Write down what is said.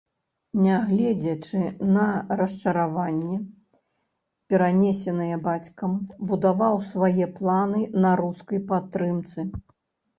Нягледзячы на расчараванні, перанесеныя бацькам, будаваў свае планы на рускай падтрымцы.